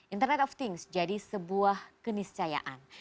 internet of things jadi sebuah keniscayaan